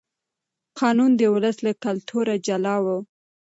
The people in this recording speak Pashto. قانون د ولس له کلتوره جلا و.